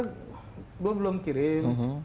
gue belum kirim